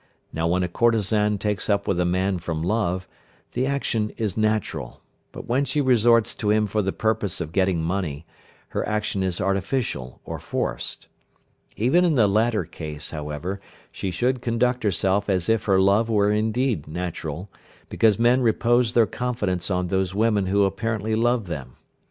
Now when a courtesan takes up with a man from love, the action is natural; but when she resorts to him for the purpose of getting money, her action is artificial or forced. Even in the latter case, however, she should conduct herself as if her love were indeed natural, because men repose their confidence on those women who apparently love them.